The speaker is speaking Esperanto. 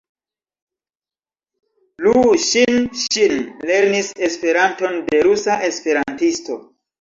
Lu Ŝi-Ŝin lernis Esperanton de rusa esperantisto.